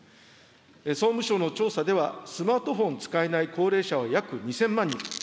総務省の調査では、スマートフォンを使えない高齢者は約２０００万人。